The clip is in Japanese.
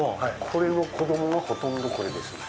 これの子供がほとんどこれですね。